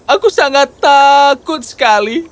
aku sangat takut sekali